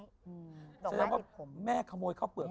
แม่ขโมยข้าวเปลือกพ่อ